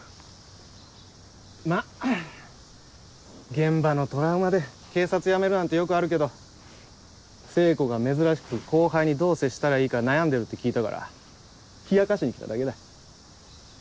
まぁ現場のトラウマで警察辞めるなんてよくあるけど聖子が珍しく後輩にどう接したらいいか悩んでるって聞いたから冷やかしに来ただけだ。